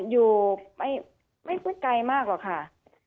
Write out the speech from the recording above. อยู่ไม่ค่อยไกลมากหรอกค่ะ